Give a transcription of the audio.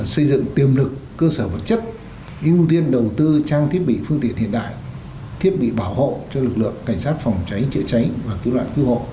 xây dựng tiềm lực cơ sở vật chất ưu tiên đầu tư trang thiết bị phương tiện hiện đại thiết bị bảo hộ cho lực lượng cảnh sát phòng cháy chữa cháy và cứu nạn cứu hộ